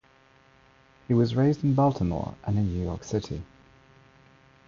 He was raised in Baltimore and in New York City.